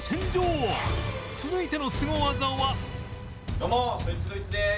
どうもそいつどいつです。